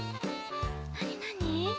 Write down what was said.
なになに？